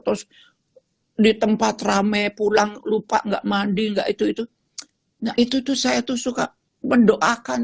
terus di tempat rame pulang lupa enggak mandi enggak itu itu nah itu tuh saya tuh suka mendoakan